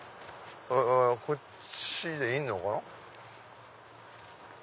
こっちでいいのかな？